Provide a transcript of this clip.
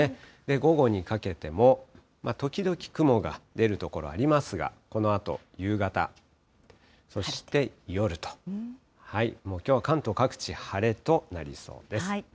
午後にかけても時々雲が出る所ありますが、このあと夕方、そして夜と、もうきょうは関東各地、晴れとなりそうです。